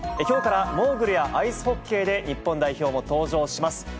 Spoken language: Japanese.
きょうからモーグルやアイスホッケーで、日本代表も登場します。